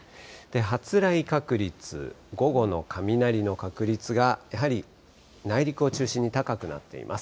発雷確率、午後の雷の確率が、やはり内陸を中心に高くなっています。